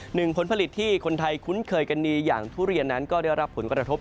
ผลผลิตที่คนไทยคุ้นเคยกันดีอย่างทุเรียนนั้นก็ได้รับผลกระทบ